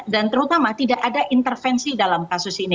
dan terutama tidak ada intervensi dalam kasus ini